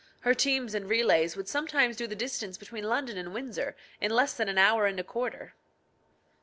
Her teams and relays would sometimes do the distance between London and Windsor in less than an hour and a quarter.